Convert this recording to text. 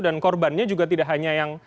dan korbannya juga tidak hanya yang